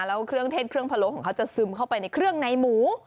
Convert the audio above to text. แล้วเครื่องเทศเครื่องพะโลของเขาจะซึมเข้าไปในเครื่องในหมู